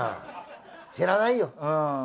減らないよ。